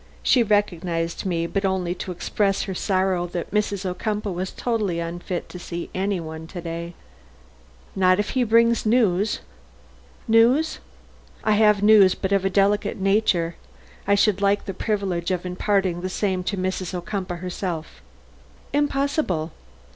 She recognized me, but only to express her sorrow that Mrs. Ocumpaugh was totally unfit to see any one to day. "Not if he brings news?" "News?" "I have news, but of a delicate nature. I should like the privilege of imparting the same to Mrs. Ocumpaugh herself." "Impossible."